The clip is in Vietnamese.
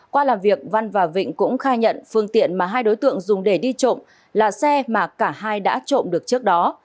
qua làm việc văn và vịnh cũng khai nhận phương tiện mà hai đối tượng dùng để đi trộm là xe mà cả hai đã trộm được trước đó